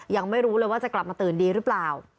ยังไม่รู้เลยว่าจะกลับมาตื่นดีหรือเปล่า